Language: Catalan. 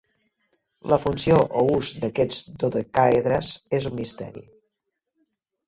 La funció o ús d'aquests dodecàedres és un misteri.